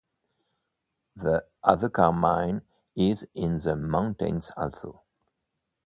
The Azucar Mine is in the mountains also.